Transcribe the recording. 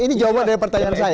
ini jawaban dari pertanyaan saya